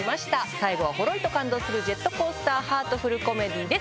最後はほろりと感動するジェットコースターハートフルコメディーです。